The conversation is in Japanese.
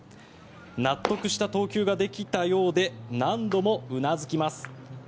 納得した投球ができたようで何度もうなずきます。